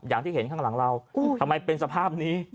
อย่างที่เห็นข้างหลังเราทำไมเป็นสภาพนี้